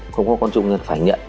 không có con chung nên phải nhận